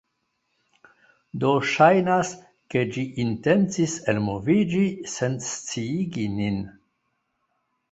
do ŝajnas, ke ĝi intencis elmoviĝi sen sciigi nin.